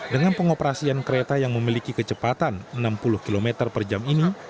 dengan pengoperasian kereta yang memiliki kecepatan enam puluh km per jam ini